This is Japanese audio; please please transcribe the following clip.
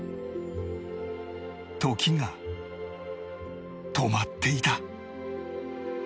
時が止まっていた